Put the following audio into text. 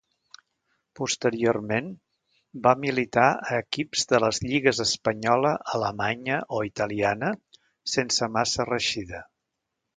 Posteriorment va militar a equips de les lligues espanyola, alemanya o italiana, sense massa reeixida.